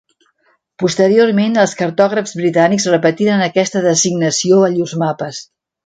Posteriorment, els cartògrafs britànics repetiren aquesta designació a llurs mapes.